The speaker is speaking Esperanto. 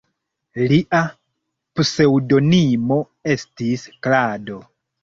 Lia pseŭdonimo estis "Klado".